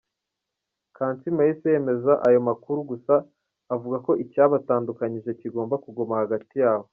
Kansiime yahise yemeza ayo makuru gusa avuga ko ‘icyabatandukanyije kigomba kuguma hagati yabo’.